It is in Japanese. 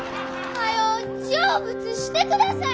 はよう成仏してください。